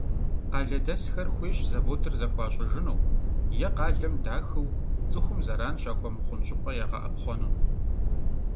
Къалэдэсхэр хуейщ заводыр зэхуащӀыжыну е къалэм дахыу цӀыхум зэран щыхуэмыхъун щӀыпӀэ ягъэӀэпхъуэну.